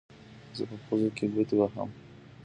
زه په پوزو کې ګوتې وهم.